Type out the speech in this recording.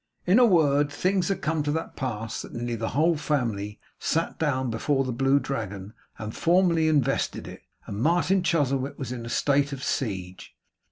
In a word, things came to that pass that nearly the whole family sat down before the Blue Dragon, and formally invested it; and Martin Chuzzlewit was in a state of siege.